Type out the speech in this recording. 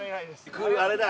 あれだ。